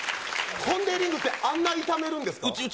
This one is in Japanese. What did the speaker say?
ポンデリングって、あんな炒めるんですか？